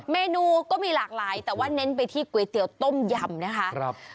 เมนูก็มีหลากหลายแต่ว่าเน้นไปที่ก๋วยเตี๋ยวต้มยำนะคะ